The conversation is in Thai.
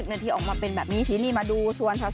นาทีออกมาเป็นแบบนี้ทีนี้มาดูส่วนสาว